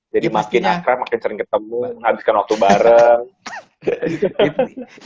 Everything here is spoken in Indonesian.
jadi makin akrab makin sering ketemu menghabiskan waktu bareng